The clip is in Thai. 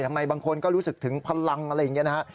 บางคนก็รู้สึกถึงพลังอะไรอย่างนี้นะฮะ